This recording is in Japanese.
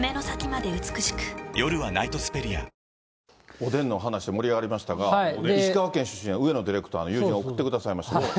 おでんの話、盛り上がりましたが、石川県出身の上野ディレクターの友人が送ってくれましたけど。